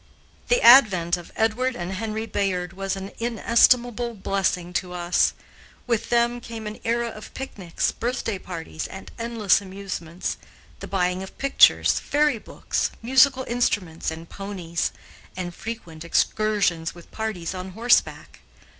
The advent of Edward and Henry Bayard was an inestimable blessing to us. With them came an era of picnics, birthday parties, and endless amusements; the buying of pictures, fairy books, musical instruments and ponies, and frequent excursions with parties on horseback.